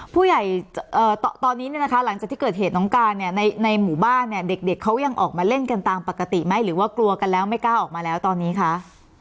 ผู้ใหญ่ตอนนี้เนี่ยนะคะหลังจากที่เกิดเหตุน้องการเนี่ยในหมู่บ้านเนี่ยเด็กเขายังออกมาเล่นกันตามปกติไหมหรือว่ากลัวกันแล้วไม่กล้าออกมาแล้วตอนนี้คะ